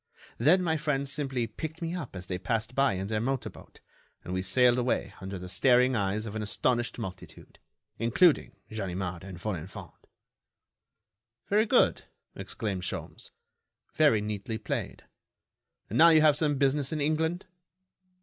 Then my friends simply picked me up as they passed by in their motor boat, and we sailed away under the staring eyes of an astonished multitude, including Ganimard and Folenfant." "Very good," exclaimed Sholmes, "very neatly played. And now you have some business in England?"